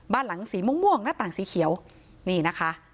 บ้านหลังสีม่วงหน้าต่างสีเขียวนี่นะคะ